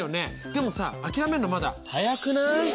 でもさ諦めんのまだ早くない。